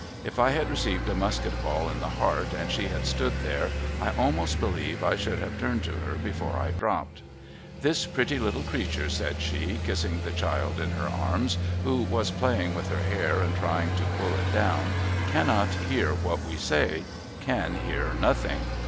If I had received a musket ball in the heart, and she had stood there, I almost believe I should have turned to her before I dropped. ' This pretty little creature,' said she, kissing the child in her arms, who was playing with her hair and trying to pull it down, 'cannot hear what we say — can hear nothing.